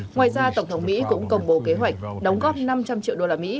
ngoài ra tổng thống mỹ cũng công bố kế hoạch đóng góp năm trăm linh triệu đô la mỹ